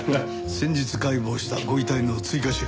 先日解剖したご遺体の追加資料だ。